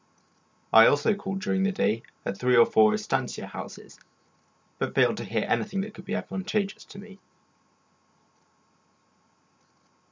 I also called during the day at three or four estancia houses, but failed to hear anything that could be advantageous to me.